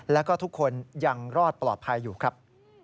แล้วก็ทุกคนยังรอดปลอดภัยอยู่ครับ